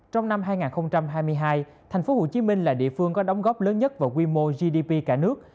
trong năm hai nghìn hai mươi hai tp hcm là địa phương có đóng góp lớn nhất vào quy mô gdp cả nước